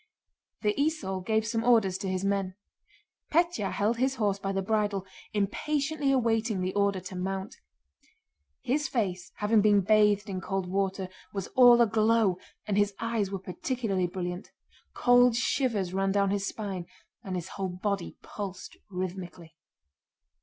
The esaul gave some orders to his men. Pétya held his horse by the bridle, impatiently awaiting the order to mount. His face, having been bathed in cold water, was all aglow, and his eyes were particularly brilliant. Cold shivers ran down his spine and his whole body pulsed rhythmically.